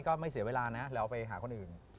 ก็ไม่เสียเวลานะแล้วไปหาคนอื่น